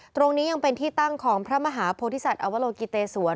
ตรงนี้ยังเป็นที่ตั้งของพระมหาโพธิสัตว์อวโลกิเตสวน